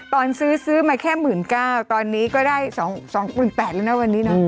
ตอนซื้อซื้อมาแค่หมื่นเก้าตอนนี้ก็ได้สองสองหมื่นแปดแล้วนะวันนี้เนอะ